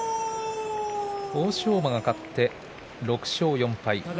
欧勝馬が勝って６勝４敗。